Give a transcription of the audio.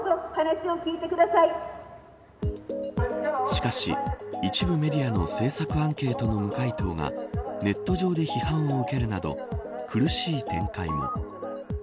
しかし、一部メディアの政策アンケートの無回答がネット上で批判を受けるなど苦しい展開も。